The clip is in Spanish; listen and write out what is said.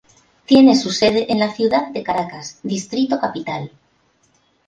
Tiene su sede en la ciudad de Caracas, Distrito Capital.